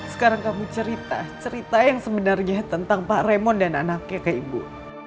sekarang kamu cerita cerita yang sebenarnya tentang pak remon dan anaknya ke ibu